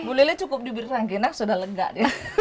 bu lili cukup diberi rangginang sudah lega dia